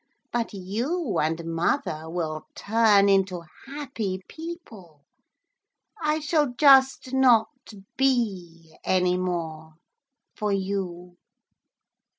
But you and mother will turn into happy people. I shall just not be any more for you.'